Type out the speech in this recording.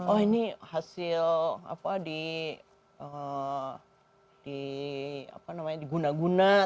oh ini hasil apa di guna guna